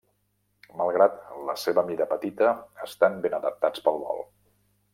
Malgrat la seva mida petita, estan ben adaptats pel vol.